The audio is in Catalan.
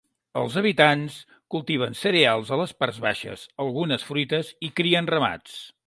Els habitants cultiven cereals a les parts baixes, algunes fruites, i crien ramats.